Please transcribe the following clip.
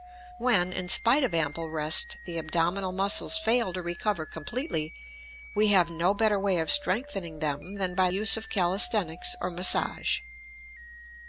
When, in spite of ample rest, the abdominal muscles fail to recover completely, we have no better way of strengthening them than by use of calisthenics or massage.